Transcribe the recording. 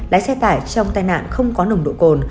lái xe tải trong tai nạn không có nồng độ cồn